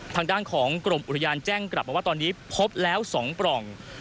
ทางด้านของกรมอุทยานแจ้งกลับมาว่าตอนนี้พบแล้ว๒ปล่อง